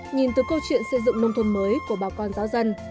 nhìn từ câu chuyện xây dựng nông thôn mới của bà con giáo dân